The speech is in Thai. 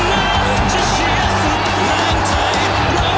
และใครชนะ